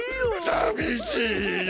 さびしいよ。